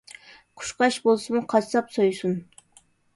قۇشقاچ بولسىمۇ قاسساپ سويسۇن.